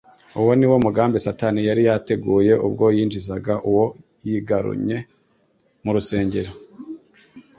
Uwo niwo mugambi Satani yari yateguye ubwo yinjizaga uwo yigarunye mu rusengero.